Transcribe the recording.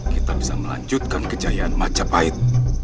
kita bisa melanjutkan kejayaan majapahit